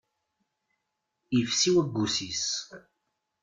Ifsi waggus-is.